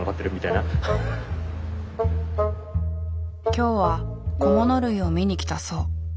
今日は小物類を見に来たそう。